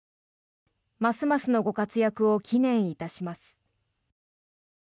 ますますのご活躍を祈念いたします。